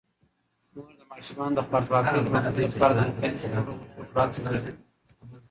مور د ماشومانو د خوارځواکۍ د مخنیوي لپاره د مختلفو خوړو ورکولو هڅه کوي.